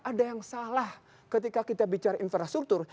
ada yang salah ketika kita bicara infrastruktur